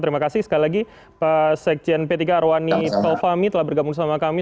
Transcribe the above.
terima kasih sekali lagi pak sekjen p tiga arwani taufami telah bergabung sama kami